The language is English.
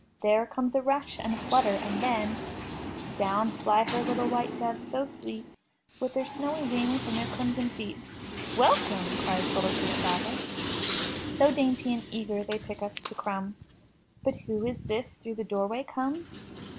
There comes a rush and a flutter, and then Down fly her little white doves so sweet, With their snowy wings and their crimson feet. * 'Welcome!'* cries little Gustava. So dainty and eager they pick up the crumbs. But who is this through the doorway comes?